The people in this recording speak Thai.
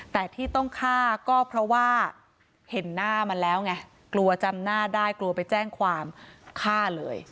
แต่ที่ต้องฆ่าก็เพราะว่าเห็นหน้ามันแล้วไงกลัวจำหน้าได้กลัวไปแจ้งความฆ่าเลย